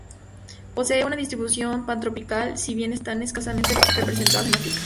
Poseen una distribución pantropical, si bien están escasamente representadas en África.